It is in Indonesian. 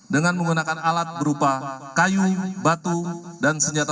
dengan menggunakan alat berupa kayu batu dan senjata